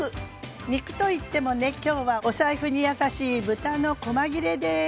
肉といってもね今日はお財布に優しい豚のこま切れです。